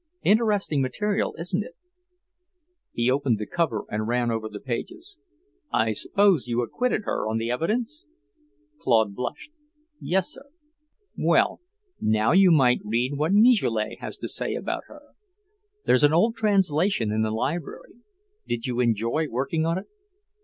Interesting material, isn't it?" He opened the cover and ran over the pages. "I suppose you acquitted her on the evidence?" Claude blushed. "Yes, sir." "Well, now you might read what Michelet has to say about her. There's an old translation in the Library. Did you enjoy working on it?"